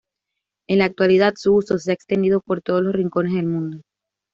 En la actualidad su uso se ha extendido por todos los rincones del mundo.